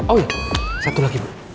oh ya satu lagi bu